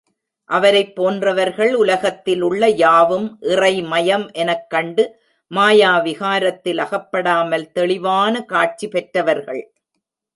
அவரைப் போன்றவர்கள் உலகத்திலுள்ள யாவும் இறைமயம் எனக் கண்டு மாயா விகாரத்தில் அகப்படாமல் தெளிவான காட்சி பெற்றவர்கள்.